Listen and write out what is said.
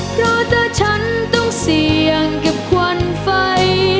เพราะถ้าฉันต้องเสี่ยงกับควันไฟ